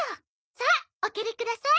さあおけりください。